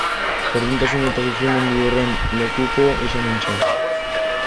Gordintasun eta sufrimendu horren lekuko izan nintzen.